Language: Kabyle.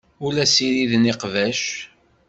Ur la ssiriden iqbac.